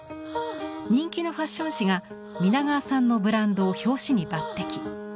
人気のファッション誌が皆川さんのブランドを表紙に抜擢。